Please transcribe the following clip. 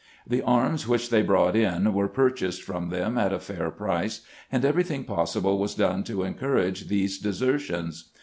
The arms which they brought in were purchased from them at a fair price, and everything possible was done to encourage these desertions.